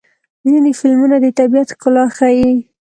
ځینې فلمونه د طبیعت ښکلا ښيي.